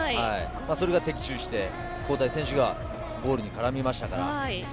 それが的中して、交代選手がゴールにからみましたから。